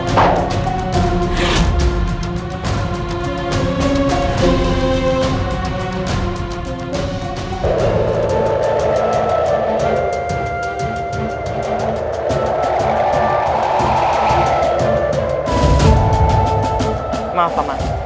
maaf pak ma